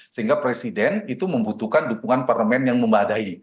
sehingga presiden itu membutuhkan dukungan parlemen yang memadahi